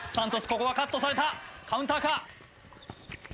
ここはカットされたカウンターか？